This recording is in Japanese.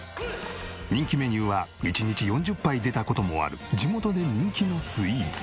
人気メニューは１日４０杯出た事もある地元で人気のスイーツ。